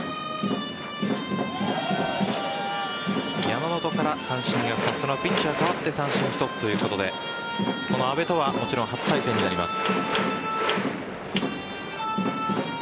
山本からピッチャー代わって三振１つということで阿部とはもちろん初対戦になります。